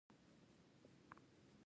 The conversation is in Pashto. د بلخ بازارونه ډیر مشهور وو